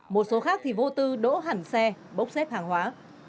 một số khác thì vô tư đỗ hẳn xe bốc xếp hàng hóa